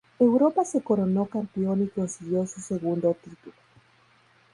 Europa se coronó campeón y consiguió su segundo título.